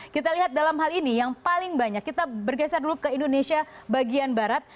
kita lihat dalam hal ini yang paling banyak kita bergeser dulu ke indonesia bagian barat